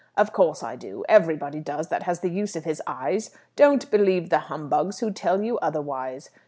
"Of course I do. Everybody does, that has the use of his eyes. Don't believe the humbugs who tell you otherwise.